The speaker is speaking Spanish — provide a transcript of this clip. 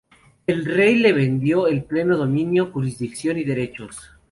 El rey le vendió el pleno dominio, jurisdicción y derechos.